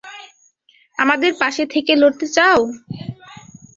আমাদের পাশে থেকে লড়তে চাও?